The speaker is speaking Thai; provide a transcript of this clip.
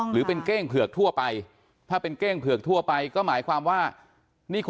หรือเป็นเก้งเผือกทั่วไป